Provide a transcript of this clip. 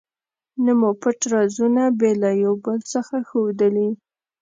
نه مو پټ رازونه بې له یو بل څخه ښودلي.